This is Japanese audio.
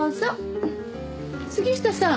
杉下さん